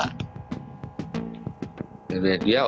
itu adalah bentuk ketidakadilan yang warisan perang dunia kedua